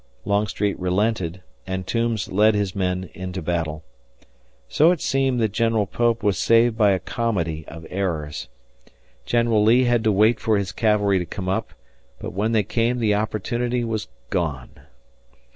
Longstreet relented, and Toombs led his men into battle. So it seemed that General Pope was saved by a comedy of errors. General Lee had to wait for his cavalry to come up, but when they came the opportunity was gone.